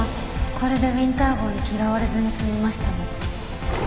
これでウィンター号に嫌われずに済みましたね。